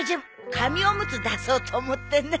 紙おむつ出そうと思ってね。